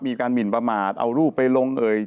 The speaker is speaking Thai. หมินประมาทเอารูปไปลงเอ่ย